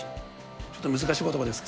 ちょっと難しいことばですが。